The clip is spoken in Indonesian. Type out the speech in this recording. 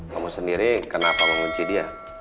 kamu sendiri kenapa mengunci dia